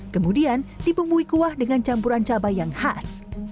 kemudian dibumbui kuah dengan campuran cabai yang khas